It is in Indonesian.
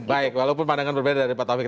baik walaupun pandangan berbeda dari pak taufik